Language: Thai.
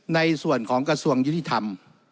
ในส่วนของกระทรวงยุติธรรม